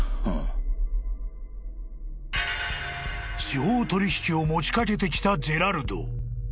［司法取引を持ち掛けてきたジェラルド］